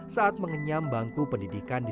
saat mengenyam bangku pendidikan di